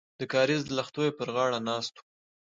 د کاریز د لښتیو پر غاړه ناست وو.